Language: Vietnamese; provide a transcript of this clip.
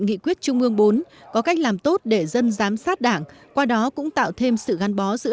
nghị quyết trung ương bốn có cách làm tốt để dân giám sát đảng qua đó cũng tạo thêm sự gắn bó giữa